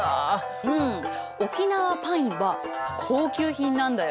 うん沖縄パインは高級品なんだよ。